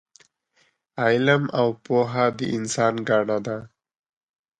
علم او پوه د انسان ګاڼه ده